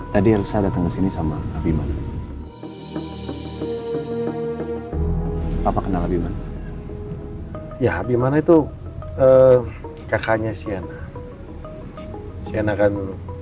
jadi ya kedekatan itu lah yang mungkin